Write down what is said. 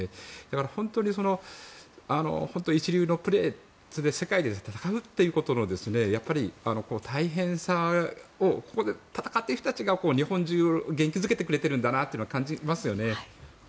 本当に一流のプレー世界で戦うということの大変さをここで戦っている人たちが日本中を元気付けてくれているんだというのを感じますね。